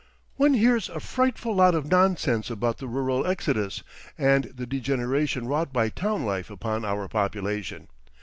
One hears a frightful lot of nonsense about the Rural Exodus and the degeneration wrought by town life upon our population.